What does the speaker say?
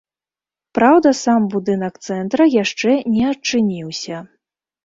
Праўда, сам будынак цэнтра яшчэ не адчыніўся.